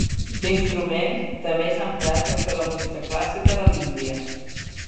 L'instrument, també és emprat per fer la música clàssica de l'Índia.